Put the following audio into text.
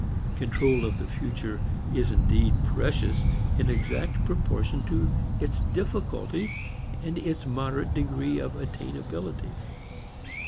Control of the future is indeed precious in exact proportion to its difficulty, its moderate degree of attainability.